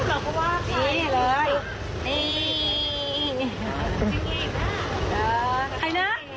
โอ๊ย